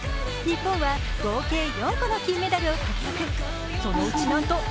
日本は合計４個の金メダルを獲得。